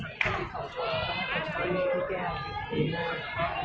เวลาแรกพี่เห็นแวว